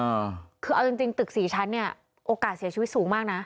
อ่าคือเอาจริงจริงตึกสี่ชั้นเนี้ยโอกาสเสียชีวิตสูงมากน่ะ